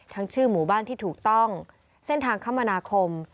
ชื่อหมู่บ้านที่ถูกต้องเส้นทางคมนาคม